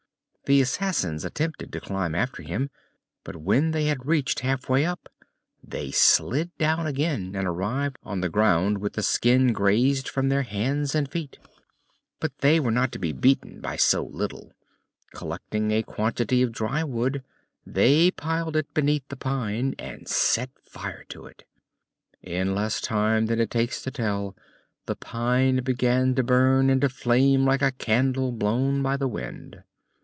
The assassins attempted to climb after him, but when they had reached half way up they slid down again and arrived on the ground with the skin grazed from their hands and knees. But they were not to be beaten by so little; collecting a quantity of dry wood, they piled it beneath the pine and set fire to it. In less time than it takes to tell, the pine began to burn and to flame like a candle blown by the wind.